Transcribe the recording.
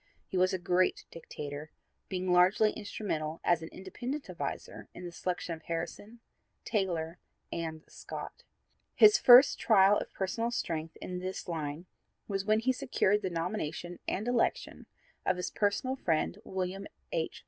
He was a great dictator, being largely instrumental as an independent advisor in the selection of Harrison, Taylor and Scott. His first trial of personal strength in this line was when he secured the nomination and election of his personal friend, William H.